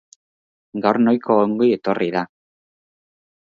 Gaur nahiko ongi etorri da.